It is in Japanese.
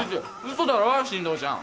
嘘だろ進藤ちゃん。